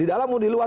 di dalam pun di luar